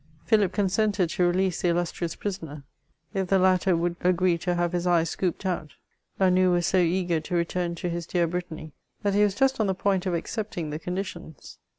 FhiUp consented to release the illnstrious prisoner, if the latter would agree to have his eyes scooped out ; La None was so eager to return to his dear Brittany, that he was just on the point of accepting the conditions.